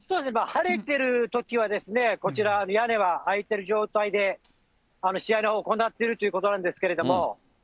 晴れてるときはこちら、屋根は開いてる状態で、試合のほう、行っているということなんですけれども。